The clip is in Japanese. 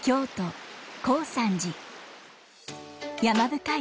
山深い